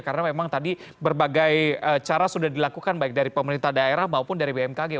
karena memang tadi berbagai cara sudah dilakukan baik dari pemerintah daerah maupun dari pemerintah negara